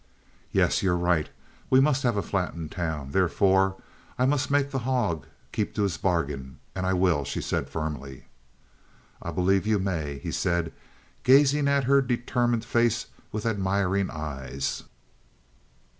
"Yes. You're right. We must have a flat in town. Therefore, I must make the hog keep to his bargain, and I will," she said firmly. "I believe you may," he said, gazing at her determined face with admiring eyes.